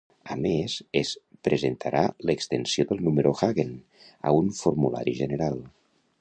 A més, es presentarà l'extensió del número Hagen a un formulari general.